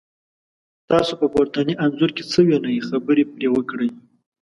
تاسو په پورتني انځور کې څه وینی، خبرې پرې وکړئ؟